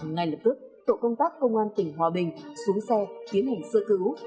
ngay lập tức tổ công tác công an tỉnh hòa bình xuống xe kiến hành sợ cứu